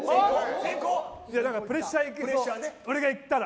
プレッシャーあるでしょ俺がいったら。